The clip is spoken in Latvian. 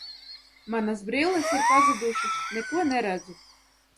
Manas brilles ir pazudušas, neko neredzu.